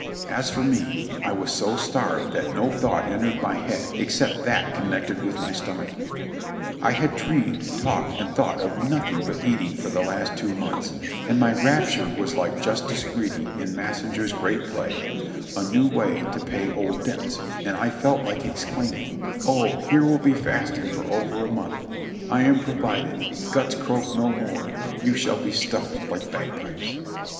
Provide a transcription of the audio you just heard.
As for me, I was so starved that no thought entered my head except that connected with my stom ach. I had dreamed, talked and thought of nothing but eating for the last two months, and my rapture was like Justice Greedy in Massinger's great play : "A new way to pay old debts," and I felt like exclaiming : "Oh here will be feasting for over a month, I am provided; guts croak no more, You shall be stuffed like bagpipes."